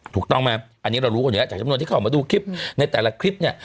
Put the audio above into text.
ถูกต้องไหมอันนี้เรารู้กันอยู่แล้วจากจำนวนที่เข้ามาดูคลิปในแต่ละคลิปเนี่ย